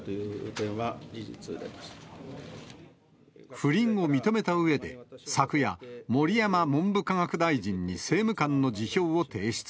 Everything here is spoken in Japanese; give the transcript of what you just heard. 不倫を認めたうえで、昨夜、盛山文部科学大臣に政務官の辞表を提出。